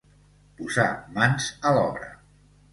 Posar mans a l'obra.